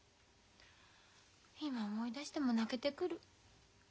今思い出しても泣けてくる。